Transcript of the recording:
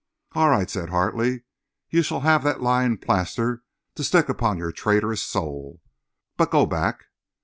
"All right," said Hartley. "You shall have that lying plaster to stick upon your traitorous soul. But, go back."